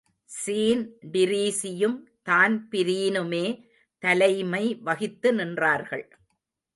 Sean டிரீஸியும், தான்பிரீனுமே தலைமை வகித்து நின்றார்கள்.